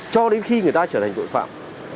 cho đến khi người ta trở thành tội phạm